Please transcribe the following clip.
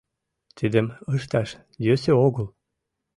Тидым ышташ йӧсӧ огыл.